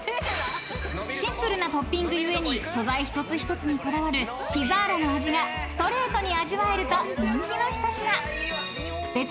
［シンプルなトッピング故に素材一つ一つにこだわるＰＩＺＺＡ−ＬＡの味がストレートに味わえると人気の一品］